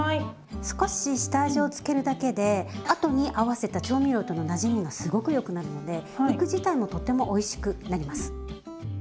少し下味をつけるだけで後に合わせた調味料とのなじみがすごくよくなるので肉自体もとてもおいしくなります。